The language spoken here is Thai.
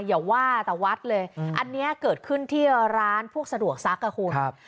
อย่าว่าแต่วัดเลยอันนี้เกิดขึ้นที่ร้านพวกสะดวกซักอ่ะคุณ